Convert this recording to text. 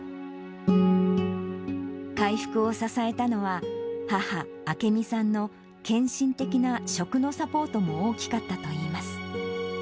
回復を支えたのは、母、明美さんの献身的な食のサポートも大きかったといいます。